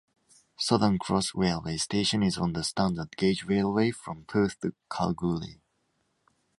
Southern Cross railway station is on the standard gauge railway from Perth to Kalgoorlie.